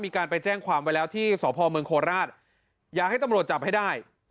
มีการไปแจ้งความไว้แล้วที่สพเมืองโคราชอยากให้ตำรวจจับให้ได้